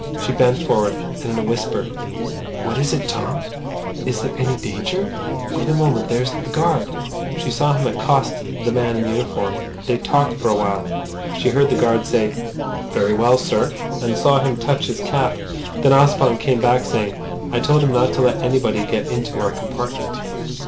She bent forward, and in a whisper: "What is it, Tom? Is there any danger? Wait a moment. There's the guard." She saw him accost the man in uniform. They talked for a while. She heard the guard say "Very well, sir," and saw him touch his cap. Then Ossipon came back, saying: "I told him not to let anybody get into our compartment."